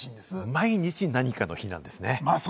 毎日何かの日なんですね。